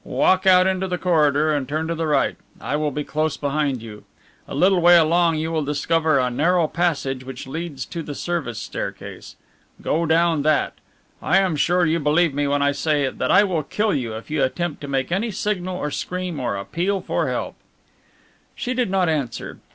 "Walk out into the corridor and turn to the right. I will be close behind you. A little way along you will discover a narrow passage which leads to the service staircase. Go down that. I am sure you believe me when I say that I will kill you if you attempt to make any signal or scream or appeal for help." She did not answer.